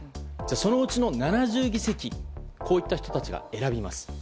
そのうちの７０議席こういった人たちが選びます。